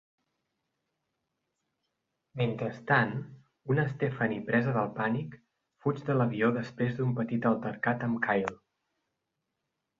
Mentrestant, una Stephanie presa del pànic, fuig de l'avió després d'un petit altercat amb Kyle.